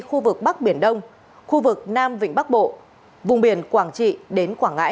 khu vực bắc biển đông khu vực nam vịnh bắc bộ vùng biển quảng trị đến quảng ngãi